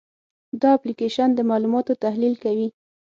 دا اپلیکیشن د معلوماتو تحلیل کوي.